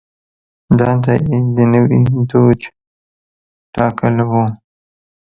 دنده یې د نوي دوج ټاکل و.